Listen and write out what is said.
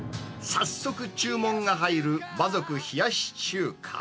早速、注文が入る馬賊冷やし中華。